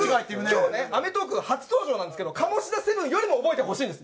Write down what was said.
僕今日『アメトーーク』初登場なんですけどカモシダせぶんよりも覚えてほしいんです